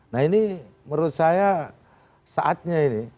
nah ini menurut saya saatnya ini